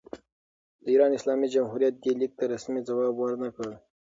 د ایران اسلامي جمهوریت دې لیک ته رسمي ځواب ور نه کړ.